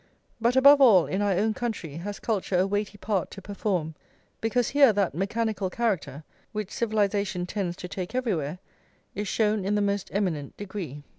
But above all in our own country has culture a weighty part to perform, because here that mechanical character, which civilisation tends to take everywhere, is shown in the most eminent degree.